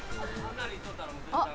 あっ。